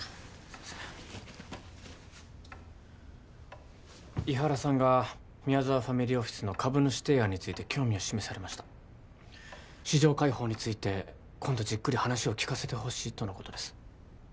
すいません伊原さんが宮沢ファミリーオフィスの株主提案について興味を示されました市場開放について今度じっくり話を聞かせてほしいとのことです